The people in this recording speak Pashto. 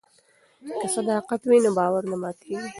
که صداقت وي نو باور نه ماتیږي.